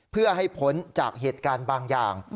เพื่อให้พ้นจากเหตุการณ์บางอย่าง